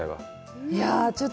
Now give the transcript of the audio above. いや、ちょっと。